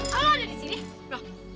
kamu ada di sini